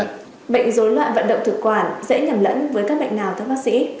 bệnh dối loạn vận động thực quản dễ nhầm lẫn với các bệnh nào thưa bác sĩ